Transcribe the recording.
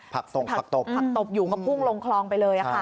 ผักตบผักตบอยู่กับภูมิลงคลองไปเลยค่ะ